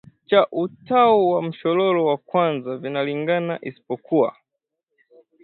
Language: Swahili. cha utao wa mshororo wa kwanza vinalingana isipokuwa